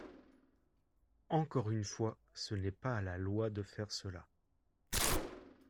Encore une fois, ce n’est pas à la loi de faire cela.